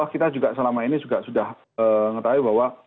kita juga selama ini juga sudah mengetahui bahwa